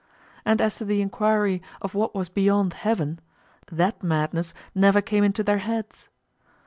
And as to the inquiry of what was beyond heaven, that madness never came into their heads.